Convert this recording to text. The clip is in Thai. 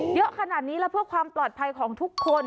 เยอะขนาดนี้แล้วเพื่อความปลอดภัยของทุกคน